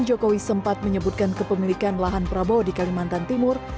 jokowi sempat menyebutkan kepemilikan lahan prabowo di kalimantan timur